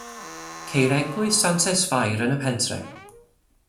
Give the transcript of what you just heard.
Ceir eglwys Santes Fair yn y pentref.